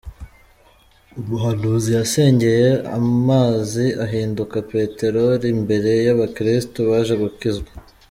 Umuhanuzi yasengeye amazi ahinduka peteroli imbere y’abakirisitu baje gukizwa .